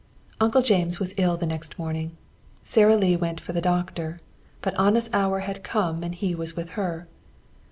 Uncle James was ill the next morning. Sara Lee went for the doctor, but Anna's hour had come and he was with her.